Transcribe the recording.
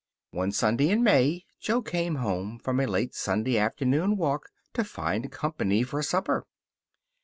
One Sunday in May Jo came home from a late Sunday afternoon walk to find company for supper.